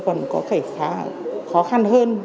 còn có thể khá khó khăn hơn